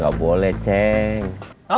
gak boleh ceng